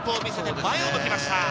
前を向きました。